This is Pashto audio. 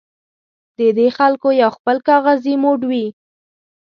د دې خلکو یو خپل کاغذي موډ وي.